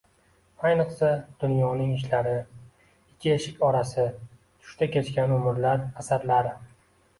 Ayniqsa, “Dunyoning ishlari”, “Ikki eshik orasi”, “Tushda kechgan umrlar” asarlari